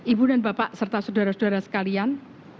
ibu dan bapak serta sodara sodara sekalian